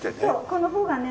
この方がね。